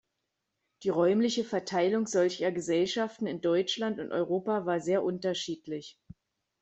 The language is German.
Die räumliche Verteilung solcher Gesellschaften in Deutschland und Europa war sehr unterschiedlich.